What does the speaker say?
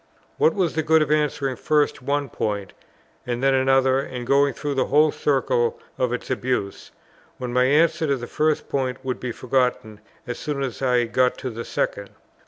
What was the good of answering first one point, and then another, and going through the whole circle of its abuse; when my answer to the first point would be forgotten, as soon as I got to the second?